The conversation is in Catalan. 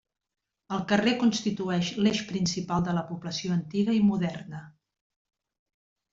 El carrer constitueix l'eix principal de la població antiga i moderna.